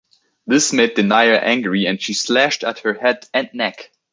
This made Denyer angry, and she slashed at her head and neck.